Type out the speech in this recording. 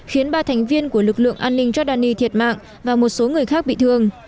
khiến ba thành viên của lực lượng an ninh jordani thiệt mạng và một số người khác bị thương